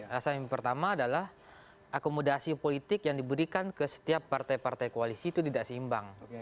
alasan yang pertama adalah akomodasi politik yang diberikan ke setiap partai partai koalisi itu tidak seimbang